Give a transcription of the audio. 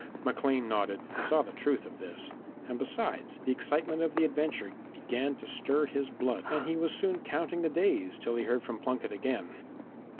Maclean nodded. He saw the truth of this, and besides, the excitement of the adventure began to stir his blood, and he was soon counting the days till he heard from Plunket again.